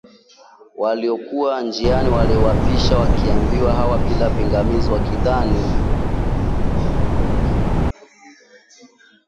waliokuwa njiani waliwapisha wakimbiaji hawa bila pingamizi wakidhani